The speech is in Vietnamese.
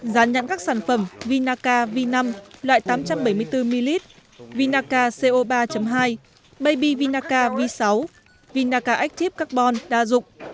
gián nhận các sản phẩm vinaca v năm loại tám trăm bảy mươi bốn ml vinaca co ba hai baby vinaca v sáu vinaca active carbon đa dụng